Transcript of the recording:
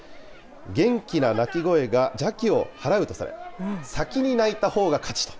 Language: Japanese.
元気な泣き声が邪気をはらうとされ、先に泣いたほうが勝ちと。